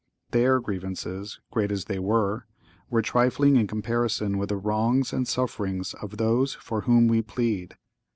(¶ 6) Their grievances, great as they were, were trifling in comparison with the wrongs and sufferings of those for whom we plead.